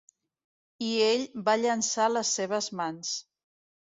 I ell va llançar les seves mans.